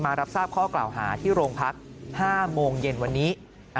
รับทราบข้อกล่าวหาที่โรงพัก๕โมงเย็นวันนี้